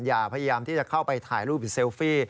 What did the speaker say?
พยายามที่จะเข้าไปถ่ายรูปหรือเซลฟี่